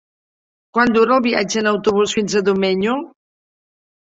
Quant dura el viatge en autobús fins a Domenyo?